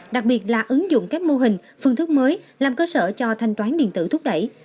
đặc biệt là ứng dụng các mô hình phương thức mới làm cơ sở cho thanh toán điện tử thúc đẩy